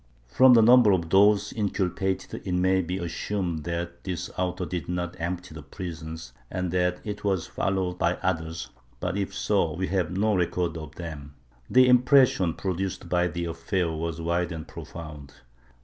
^ From the number of those inculpated it may be assumed that this auto did not empty the prisons, and that it was followed by others, but if so, we have no record of them. The impression produced by the affair was wide and profound.